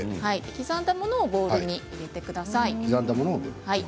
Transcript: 刻んだものをボウルに入れてください。